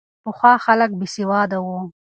پخوا خلک بې سواده وو.